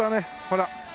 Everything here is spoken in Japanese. ほら。